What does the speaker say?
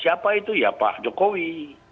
siapa itu ya pak jokowi